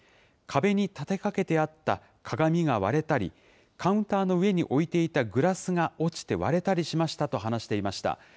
壁に立てかけてあった鏡が割れたり、カウンターの上に置いていたグラスが落ちて割れたりしましたと話していました。